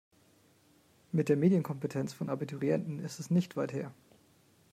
Mit der Medienkompetenz von Abiturienten ist es nicht weit her.